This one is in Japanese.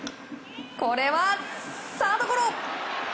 これはサードゴロ。